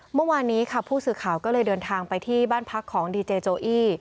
เมื่อวานนี้ค่ะผู้สื่อข่าวก็เลยเดินทางไปที่บ้านพักของดีเจโจอี้